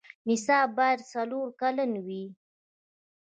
نصاب باید څلور کلن وي.